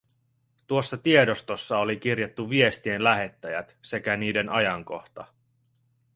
Tuossa tiedostossa oli kirjattu viestien lähettäjät sekä niiden ajankohta.